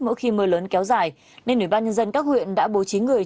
mỗi khi mưa lớn kéo dài nên ủy ban nhân dân các huyện đã bố trí người